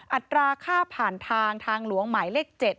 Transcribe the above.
อัตราค่าผ่านทางทางหลวงหมายเลข๗